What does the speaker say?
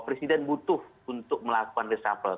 presiden butuh untuk melakukan reshuffle